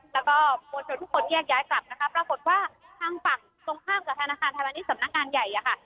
แล้วก็มวลชนทุกคนแยกย้ายกลับนะคะปรากฏว่าทางฝั่งตรงข้ามกับธนาคารพาณิชย์สำนักงานใหญ่อะค่ะ